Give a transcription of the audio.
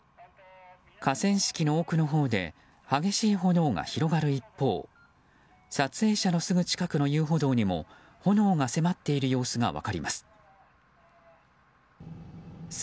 河川敷の奥のほうで激しい炎が広がる一方撮影者のすぐ近くの遊歩道にも炎が迫っている様子が分かります。